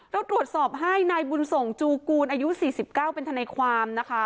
เราตรวจสอบให้นายบุญส่งจูกูลอายุ๔๙เป็นทนายความนะคะ